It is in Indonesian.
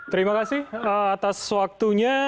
terima kasih atas waktunya